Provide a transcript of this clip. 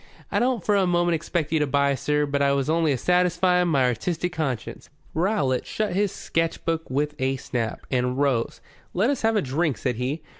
"I don't for a moment expect you to buy, sir, but I was only a satisfying of my artistic conscience." Rowlatt shut his sketch book with a snap, and rose. "Let us have a drink," said he.